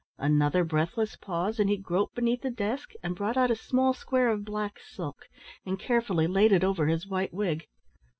Another breathless pause and he groped beneath the desk and brought out a small square of black silk and carefully laid it over his white wig.